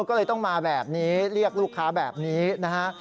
ก็เลยต้องมาแบบนี้เรียกลูกค้าแบบนี้นะฮะ